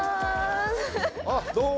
あっどうも！